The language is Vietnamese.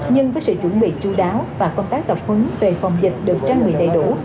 nhưng với sự chuẩn bị chú đáo và công tác tập huấn về phòng dịch được trang bị đầy đủ